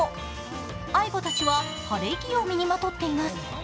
ＡＩＢＯたちは晴れ着を身にまとっています。